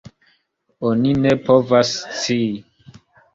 Oni ne povas scii.